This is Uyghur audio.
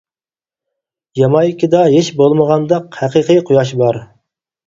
يامايكىدا ھېچ بولمىغاندا ھەقىقىي قۇياش بار.